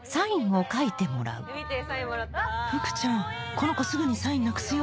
この子すぐにサインなくすよ